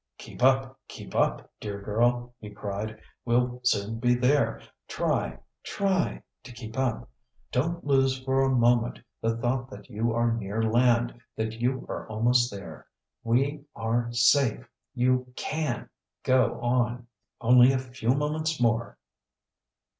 "Keep up, keep up, dear girl!" he cried. "We'll soon be there. Try, try to keep up! Don't lose for a moment the thought that you are near land, that you are almost there. We are safe, you can go on only a few moments more!"